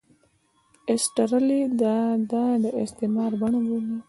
ایسټرلي دا د استثمار بڼه بولي.